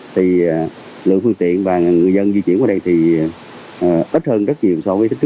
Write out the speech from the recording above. thì lượng phương tiện và người dân di chuyển qua đây thì ít hơn rất nhiều